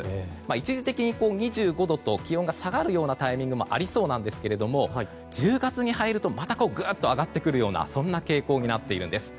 一時的に２５度と気温が下がるようなタイミングもありそうですけど１０月に入るとまたぐっと上がってくるような傾向になっています。